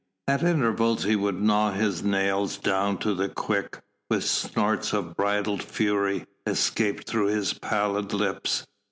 At intervals he would gnaw his nails down to the quick while snorts of bridled fury escaped through his pallid lips.